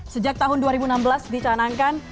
sejak tahun dua ribu enam belas dicanangkan